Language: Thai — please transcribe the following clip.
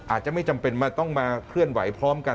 อาจจะไม่จำเป็นต้องมาเคลื่อนไหวพร้อมกัน